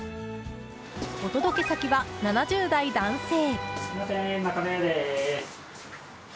お届け先は、７０代男性。